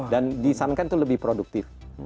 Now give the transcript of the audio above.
dan disarankan itu lebih produktif